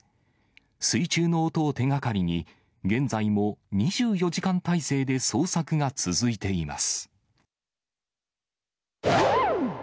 水中の音を手がかりに、現在も２４時間態勢で捜索が続いています。